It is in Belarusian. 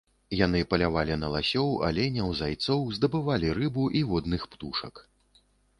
Яны палявалі на ласёў, аленяў, зайцоў, здабывалі рыбу і водных птушак.